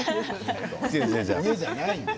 家じゃないのよ。